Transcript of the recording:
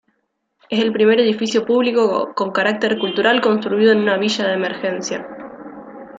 Es el primer edificio público con carácter cultural construido en un villa de emergencia.